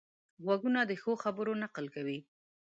غوږونه د ښو خبرو نقل کوي